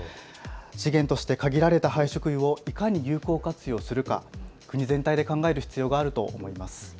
資源として限られた廃食油をいかに有効活用するか国全体として考えていく必要があると思います。